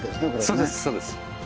そうですそうです。